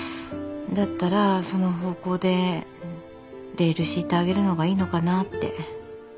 だったらその方向でレール敷いてあげるのがいいのかなって。